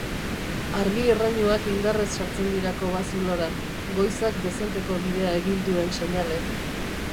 Argi-errainuak indarrez sartzen dira kobazulora, goizak dezenteko bidea egin duen seinale.